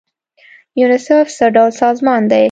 یونیسف څه ډول سازمان دی؟